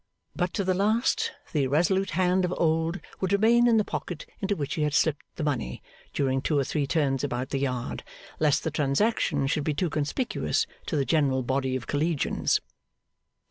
But, to the last, the irresolute hand of old would remain in the pocket into which he had slipped the money during two or three turns about the yard, lest the transaction should be too conspicuous to the general body of collegians.